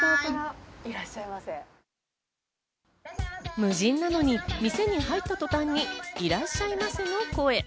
無人なのに店に入った途端にいらっしゃいませの声。